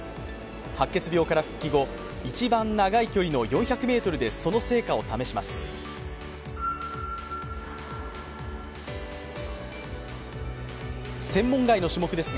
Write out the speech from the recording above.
白血病から復帰後、一番長い距離の４００ｍでその成果を試します。